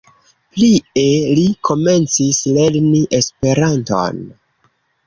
Plie li komencis lerni Esperanton.